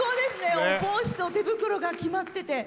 お帽子と手袋が決まってて。